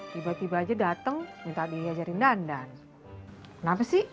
tiba tiba aja dateng minta diajari dandan